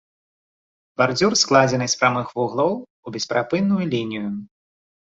Бардзюр складзены з прамых вуглоў у бесперапынную лінію.